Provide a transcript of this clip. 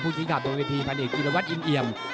ภูกิศาสตร์ตรงกระทีพันธุ์เอกจิลวัฒน์อินเยี่ยม